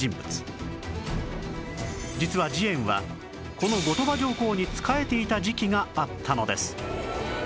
実は慈円はこの後鳥羽上皇に仕えていた時期があったのです